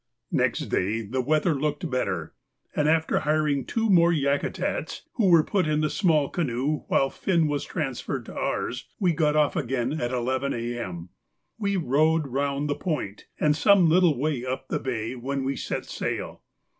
_—Next day the weather looked better, and after hiring two more Yakutats, who were put in the small canoe while Finn was transferred to ours, we got off again at 11 A.M. We rowed round the point, and some little way up the bay, when we set sail.